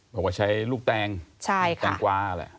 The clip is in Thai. บอกว่าใช้ลูกแตงแตงกวาแหละ